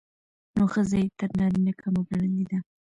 نو ښځه يې تر نارينه کمه ګڼلې ده.